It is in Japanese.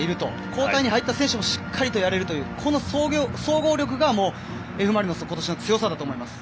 交代に入った選手たちもしっかりやれるというこの総合力がＦ・マリノスの今年の強さだと思います。